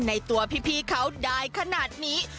ในตัวพี่เขาได้ขนาดนี้